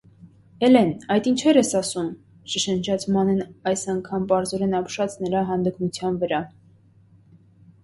- Էլե՛ն, այդ ինչե՜ր ես ասում,- շշնջաց Մանեն այս անգամ պարզորեն ապշած նրա հանդգնության վրա: